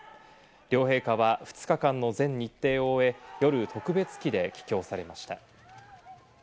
両陛下は２日間の全日程を終え、夜、特別機で帰京されました。